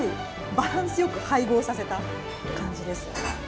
バランスよく配合させたって感じです。